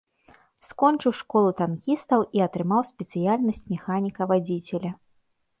Скончыў школу танкістаў і атрымаў спецыяльнасць механіка-вадзіцеля.